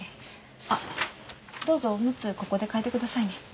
あっどうぞおむつここで替えてくださいね。